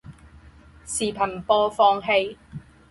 视频播放器